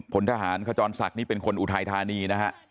พลทหารขจรศักดิ์นี่เป็นคนอุทัยธานีนะฮะ